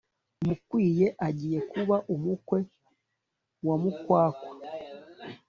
Mukwiye agiye kuba umukwe wa mukwakwa